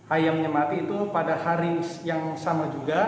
ayamnya mati itu pada hari yang sama juga